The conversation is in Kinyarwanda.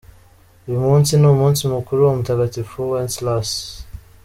Uyu munsi ni umunsi mukuru wa Mutagatifu Wenceslas.